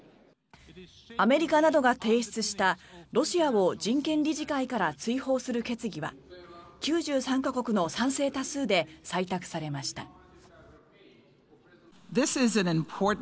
アメリカなどが提出したロシアを人権理事会から追放する決議は９３か国の賛成多数で採択されました。